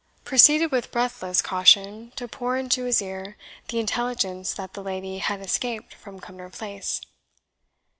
proceeded with breathless caution to pour into his ear the intelligence that the lady had escaped from Cumnor Place.